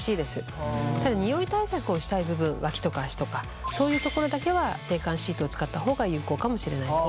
ただニオイ対策をしたい部分脇とか足とかそういうところだけは制汗シートを使った方が有効かもしれないです。